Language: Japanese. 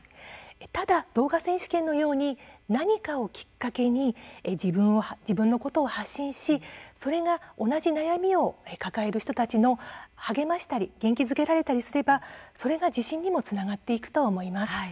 ただ、動画選手権のように何かをきっかけに自分のことを発信しそれが同じ悩みを抱える人たちを励ましたり元気づけられたということになれば自信にもつながっていくと思います。